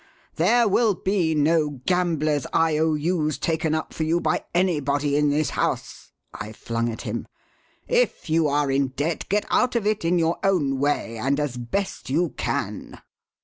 'There will be no gambler's I. O. U.'s taken up for you by anybody in this house,' I flung at him. 'If you are in debt, get out of it in your own way and as best you can!'